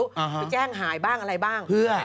ไปแจ้งหายภรรยาการแบบนานไปอะไรบ้าง